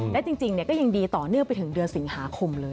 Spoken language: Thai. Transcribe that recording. และจริงก็ยังดีต่อเนื่องไปถึงเดือนสิงหาคมเลย